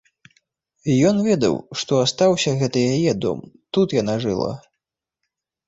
Ён ведаў, што астаўся гэта яе дом, тут яна жыла.